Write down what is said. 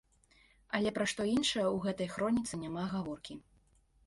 Але пра што іншае ў гэтай хроніцы няма гаворкі.